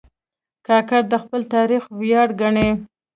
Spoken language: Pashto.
کاکړ د خپل تاریخ ویاړ ګڼي.